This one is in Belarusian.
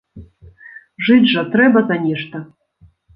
Жыць жа трэба за нешта.